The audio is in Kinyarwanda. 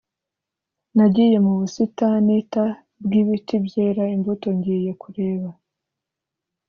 nagiye mu busitani t bw ibiti byera imbuto ngiye kureba